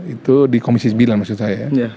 itu di komisi sembilan maksud saya